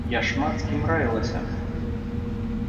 Я шмат з кім раілася.